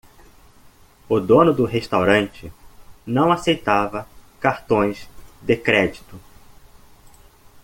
O dono do restaurante não aceitava cartões de crédito.